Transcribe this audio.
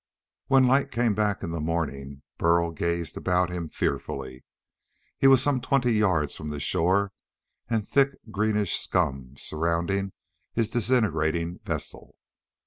When light came back in the morning, Burl gazed about him fearfully. He was some twenty yards from the shore and thick greenish scum surrounded his disintegrating vessel.